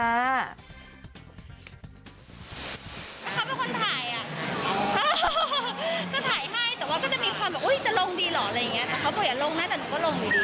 บ้ายต่ออยู่ค่ะยังได้อยู่ค่ะ